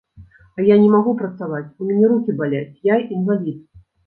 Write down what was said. А я не магу працаваць, у мяне рукі баляць, я інвалід!